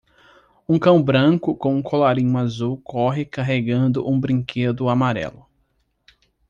Um cão branco com um colarinho azul corre carregando um brinquedo amarelo.